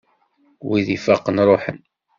Wid ifaqen ṛuḥen!